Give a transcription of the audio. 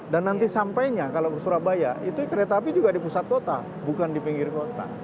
dan nanti sampainya kalau ke surabaya itu kereta api juga di pusat kota bukan di pinggir kota